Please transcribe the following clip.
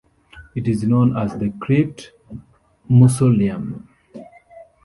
It is known as the "crypt mausoleum".